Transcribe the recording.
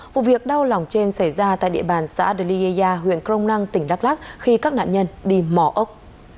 vụ việc đau lòng trên xảy ra tại địa bàn xã đa lê gia huyện crong năng tỉnh đắk lắc khi các nạn nhân đi mò ốc